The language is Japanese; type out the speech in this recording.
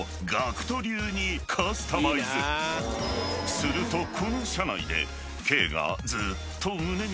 ［するとこの車内で］